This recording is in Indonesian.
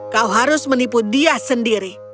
kau harus menipu dia sendiri